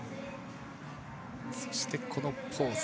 そしてこのポーズ。